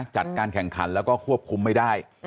จัดการแข่งขันแล้วก็ควบคุมไม่ได้